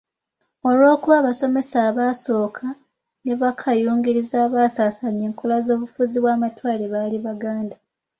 Olw'okuba abasomesa abaasooka ne bakayungirizi abaasasaanya enkola z'obufuzi bwa matwale baali Baganda.